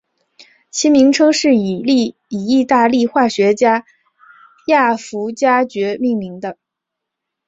其名称是以义大利化学家亚佛加厥命名的。